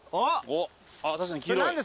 ・確かに黄色い。